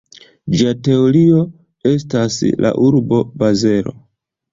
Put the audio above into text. Ĝia teritorio estas la urbo Bazelo.